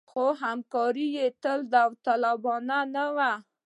خو همکاري تل داوطلبانه نه وه.